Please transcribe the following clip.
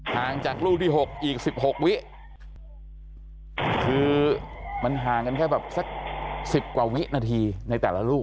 ห่างจากลูกที่๖อีก๑๖วิคือมันห่างกันแค่แบบสัก๑๐กว่าวินาทีในแต่ละลูก